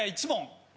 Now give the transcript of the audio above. １問。